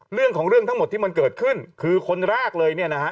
เรื่องของเรื่องทั้งหมดที่มันเกิดขึ้นคือคนแรกเลยเนี่ยนะฮะ